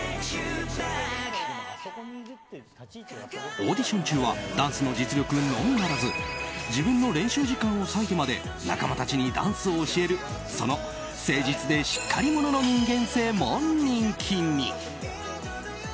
オーディション中はダンスの実力のみならず自分の練習時間を割いてまで仲間たちにダンスを教えるその誠実でしっかり者の人間性も人気に。